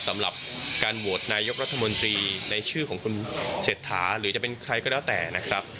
สำหรับการโหวตนายกรัฐมนตรีในชื่อของคุณเศรษฐาหรือจะเป็นใครก็แล้วแต่นะครับ